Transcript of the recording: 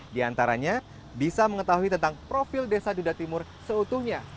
di antaranya bisa mengetahui tentang profil desa dudatimur seutuhnya